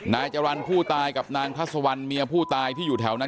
นายจรรย์ผู้ตายกับนางทัศวรรณเมียผู้ตายที่อยู่แถวนั้น